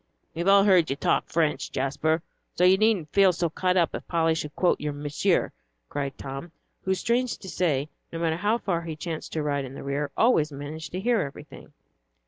"We've all heard you talk French, Jasper, so you needn't feel so cut up if Polly should quote your Monsieur," cried Tom, who, strange to say, no matter how far he chanced to ride in the rear, always managed to hear everything.